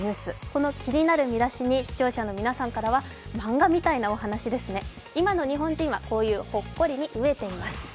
この気になる見出しに視聴者の皆さんからは漫画みたいなお話ですね、今の日本人はこういうほっこりに飢えています。